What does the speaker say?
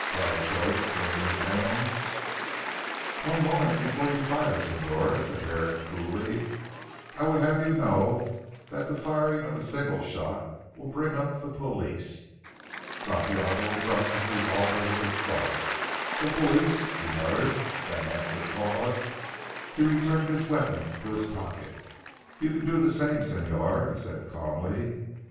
cried Joyce wringing his hands. "One moment before you fire Señor," said Herrick coolly, "I would have you know that the firing of a single shot will bring up the police." Santiago dropped his revolver with a start. "The police," he muttered; then after a pause he returned his weapon to his pocket. "You can do the same Señor," he said calmly.